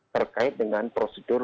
terkait dengan prosedur